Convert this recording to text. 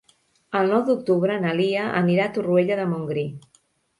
El nou d'octubre na Lia anirà a Torroella de Montgrí.